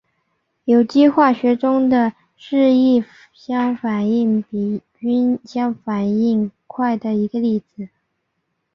有机化学中的是异相反应比均相反应快的一个例子。